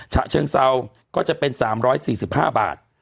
ฉะเชิงเซาก็จะเป็น๓๔๕บาท